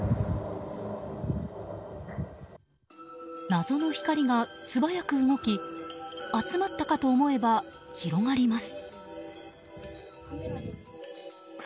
謎の光が素早く動き集まったかと思えば広がります。